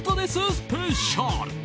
スペシャル！